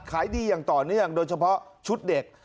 ขายดีอย่างต่อเนื่องโดยเฉพาะชุดเด็ก